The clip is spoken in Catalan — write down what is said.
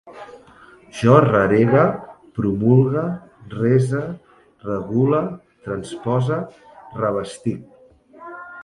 Jo rarege, promulgue, rese, regule, transpose, reabastisc